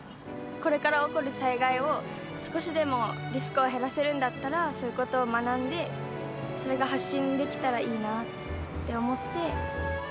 これから起こる災害を少しでもリスクを減らせるんだったら、そういうことを学んで、それが発信できたらいいなぁって思って。